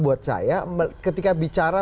buat saya ketika bicara